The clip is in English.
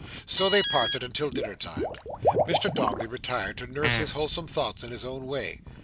So they parted until dinner time. Mr Dombey retired to nurse his wholesome thoughts in his own way.